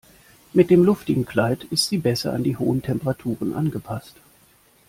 Mit dem luftigen Kleid ist sie besser an die hohen Temperaturen angepasst.